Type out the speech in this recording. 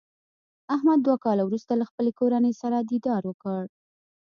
احمد دوه کاله ورسته له خپلې کورنۍ سره دیدار وکړ.